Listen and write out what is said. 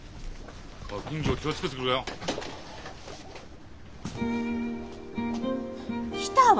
金魚気を付けてくれよ。来たわ！